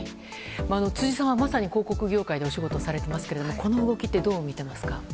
辻さんはまさに広告業界でお仕事をされていますけれどもこの動きってどう見ていますか？